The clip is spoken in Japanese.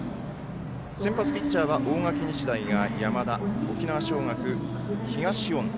先発ピッチャーは大垣日大が山田沖縄尚学、東恩納。